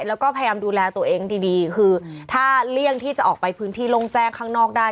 แล้วก็พยายามดูแลตัวเองดีดีคือถ้าเลี่ยงที่จะออกไปพื้นที่โล่งแจ้งข้างนอกได้